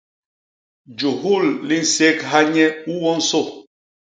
Juhul li nségha nye u wonsô.